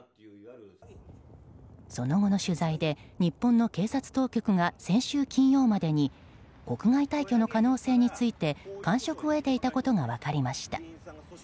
その後の取材で日本の警察当局が先週金曜までに国外退去の可能性について感触を得ていたことが分かりました。